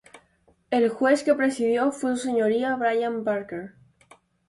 El juez que presidió fue Su Señoría Brian Barker.